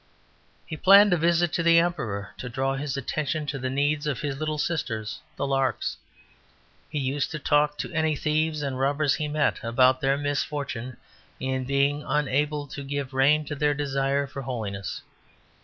He planned a visit to the Emperor to draw his attention to the needs of 'his little sisters the larks.' He used to talk to any thieves and robbers he met about their misfortune in being unable to give rein to their desire for holiness.